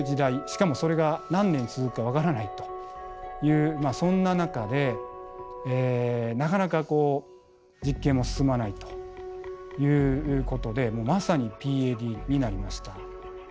しかもそれが何年続くか分からないというそんな中でなかなか実験も進まないということでまさにＰＡＤになりました。